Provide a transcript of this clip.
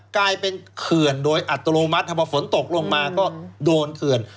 เขื่อนโดยอัตโนมัติถ้าพอฝนตกลงมาก็โดนเขื่อน